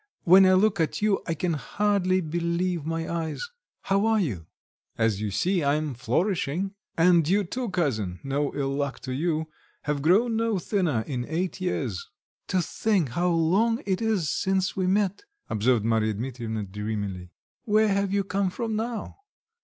When I look at you, I can hardly believe my eyes. How are you?" "As you see, I'm flourishing. And you, too, cousin no ill luck to you! have grown no thinner in eight years." "To think how long it is since we met!" observed Marya Dmitrievna dreamily. "Where have you come from now?